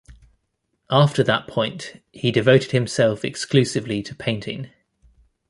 After that point, he devoted himself exclusively to painting.